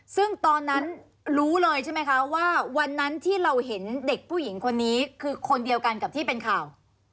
ซึ่งตอนนั้นรู้เลยใช่ไหมคะว่าวันนั้นที่เราเห็นเด็กผู้หญิงคนนี้คือคนเดียวกันกับที่เป็นข่าว